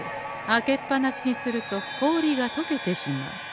開けっ放しにすると氷がとけてしまう。